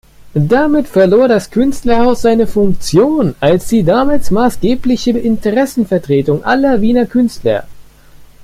Damit verlor das Künstlerhaus seine Funktion als die damals maßgebliche Interessenvertretung aller Wiener Künstler.